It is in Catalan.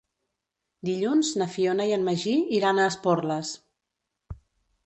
Dilluns na Fiona i en Magí iran a Esporles.